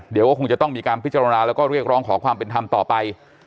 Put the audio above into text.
เดี๋ยวก็คงจะต้องมีการพิจารณาแล้วก็เรียกร้องขอความเป็นธรรมต่อไป